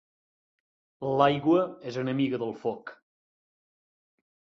L'aigua és enemiga del foc.